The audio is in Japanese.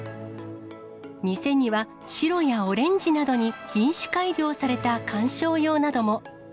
店には白やオレンジなどに品種改良された観賞用なども。